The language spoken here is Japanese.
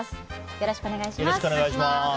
よろしくお願いします。